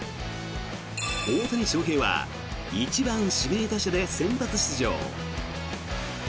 大谷翔平は１番指名打者で先発出場。